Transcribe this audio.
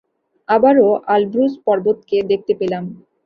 আবারো আলব্রুজ পর্বতকে দেখতে পেলাম।